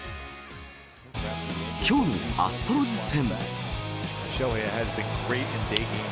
きょうのアストロズ戦。